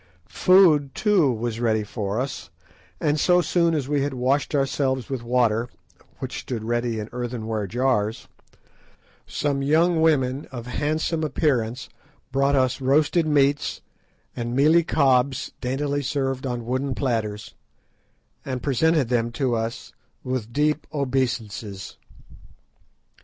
Food too was ready for us, and so soon as we had washed ourselves with water, which stood ready in earthenware jars, some young women of handsome appearance brought us roasted meats, and mealie cobs daintily served on wooden platters, and presented them to us with deep obeisances.